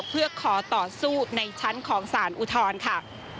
เพื่อขอต่อสู้ในชั้นของสารอุทธรณ์ค่ะ